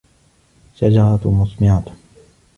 الشَّجَرَةُ مُثْمِرَةٌ.